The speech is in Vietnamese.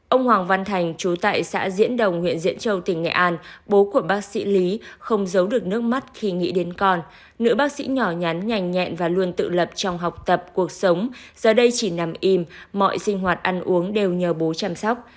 ông hoàng văn thành chú tại xã diễn đồng huyện diễn châu tỉnh nghệ an bố của bác sĩ lý không giấu được nước mắt khi nghĩ đến con nữ bác sĩ nhỏ nhắn nhảnh nhẹ và luôn tự lập trong học tập cuộc sống giờ đây chỉ nằm im mọi sinh hoạt ăn uống đều nhờ bố chăm sóc